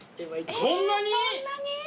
えそんなに？